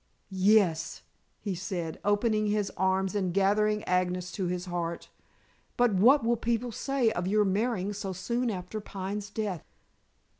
"Yes," he said, opening his arms and gathering Agnes to his heart. "But what will people say of your marrying so soon after Pine's death?"